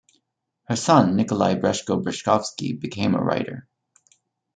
Her son Nikolay Breshko-Breshkovsky became a writer.